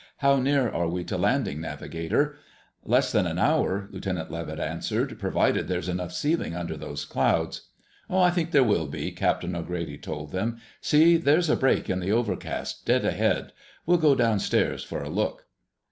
"How near are we to landing, navigator?" "Less than an hour," Lieutenant Levitt answered, "provided there's enough ceiling under those clouds." "I think there will be," Captain O'Grady told them. "See! There's a break in the overcast, dead ahead. We'll go downstairs for a look."